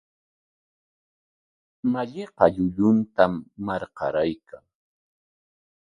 Malliqa llulluntam marqaraykan.